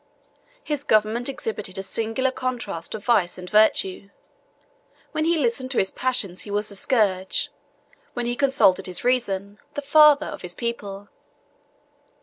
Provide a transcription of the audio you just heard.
His government exhibited a singular contrast of vice and virtue. When he listened to his passions, he was the scourge; when he consulted his reason, the father, of his people.